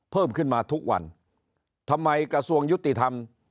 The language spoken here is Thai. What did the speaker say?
เพิ่มขึ้นมาทุกวันทำไมกระทรวงยุติธรรม